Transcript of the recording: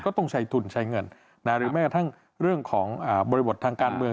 ต้องใช้ทุนใช้เงินหรือแม้ทั้งเรื่องของบริบททางการเมือง